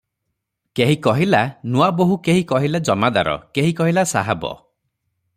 କେହି କହିଲା; ନୂଆବୋହୂ କେହି କହିଲା ଜମାଦାର, କେହି କହିଲା ସାହାବ ।